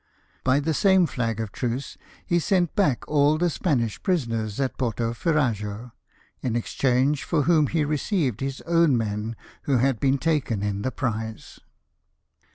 By the same flag of truce he sent back all the Spanish prisoners at Porto Ferrajo, in exchange for whom he received his own men who had ^been taken in the prize.